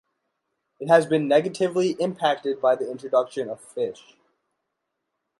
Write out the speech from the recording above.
It has been negatively impacted by the introduction of fish.